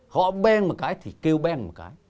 họ beng một cái thì kêu beng một cái